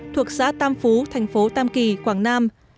thuộc xã tam phú thành phố tam kỳ quảng nam